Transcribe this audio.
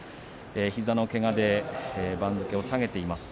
膝のけがで番付を下げています。